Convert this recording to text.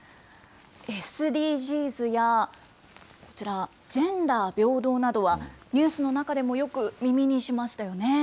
ＳＤＧｓや、こちら、ジェンダー平等などはニュースの中でもよく耳にしましたよね。